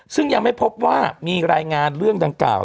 ซึ่งยังไม่พบว่ามีรายงานเรื่องดังกล่าว